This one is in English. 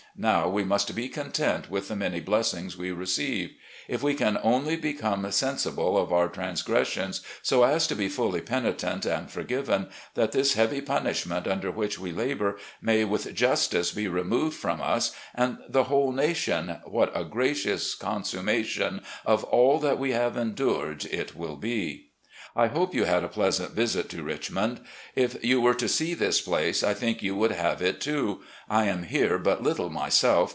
Now we must be content with the many blessings we receive. If we can only become sensible of our trans gressions, so as to be fully penitent and forgiven, that this heavy punishment under which we labour may with jus tice be removed from us and the whole nation, what a gracious consummation of all that we have endured it will be! * His two coloured servants. LETTERS TO WIPE AND DAUGHTERS 59 " I hope you had a pleasant visit to Richmond. ... If you were to see this place, I think you would have it, too. I am here but little myself.